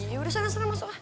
ya udah sana sana masuklah